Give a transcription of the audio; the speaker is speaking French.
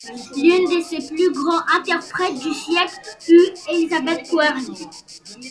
L'une de ses plus grands interprètes du siècle fut Elisabeth Kværne.